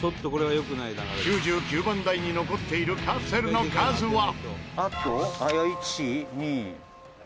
９９番台に残っているカプセルの数は。